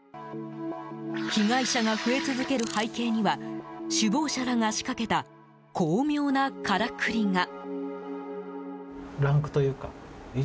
被害者が増え続ける背景には首謀者らが仕掛けた巧妙なからくりが。